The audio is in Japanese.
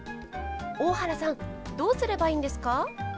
大原さんどうすればいいんですか？